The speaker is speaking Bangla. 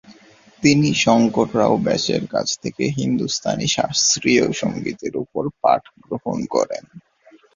তিনি শঙ্কর রাও ব্যাসের কাছ থেকে হিন্দুস্তানি শাস্ত্রীয় সংগীতের উপরও পাঠ গ্রহণ করেন।